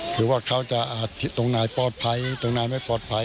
หรือว่าเขาจะอาทิตย์ตรงไหนปลอดภัยตรงไหนไม่ปลอดภัย